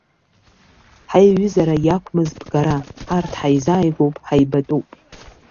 Ҳаиҩызара иақәмыз ԥгара, ҳарҭ ҳаизааигәоуп, ҳаибатәуп.